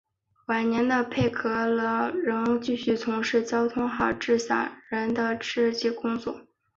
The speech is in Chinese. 晚年的佩格劳仍继续从事交通号志小人的设计工作。